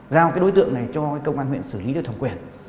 giao cái đối tượng này cho công an huyện xử lý được thẩm quyền